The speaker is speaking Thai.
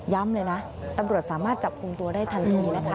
เลยนะตำรวจสามารถจับกลุ่มตัวได้ทันทีนะคะ